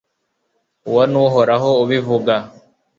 uwo ni uhoraho ubivuga